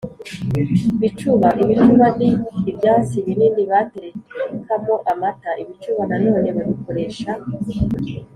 Bicuba: ibicuba ni ibyansi binini baterekamo amata. Ibicuba nanone babikoresha